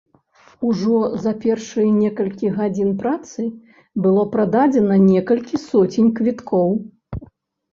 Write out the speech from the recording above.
Ужо за першыя некалькі гадзін працы было прададзена некалькі соцень квіткоў.